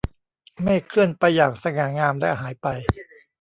เมฆเคลื่อนไปอย่างสง่างามและหายไป